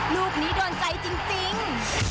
ลูกนี้โดนใจจริง